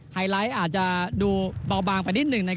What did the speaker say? ไฮไลท์อาจจะดูเบาบางไปนิดหนึ่ง